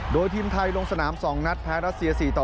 โดยทีมไทยลงสนาม๒นัดแพ้รัสเซีย๔ต่อ